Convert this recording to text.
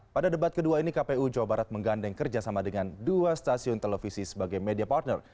pada debat kedua ini kpu jawa barat menggandeng kerjasama dengan dua stasiun televisi sebagai media partner